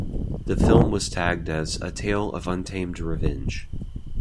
The film was tagged as 'a tale of untamed revenge.